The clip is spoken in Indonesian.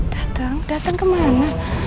dateng dateng kemana